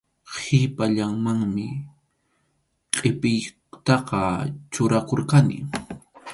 Qhipallamanmi qʼipiytaqa churakurqani.